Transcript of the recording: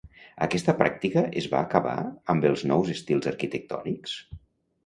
Aquesta pràctica es va acabar amb els nous estils arquitectònics?